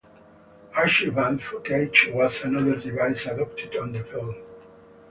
Archival footage was another device adopted on the film.